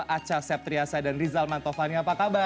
aca sebtriasa dan rizal mantovani apa kabar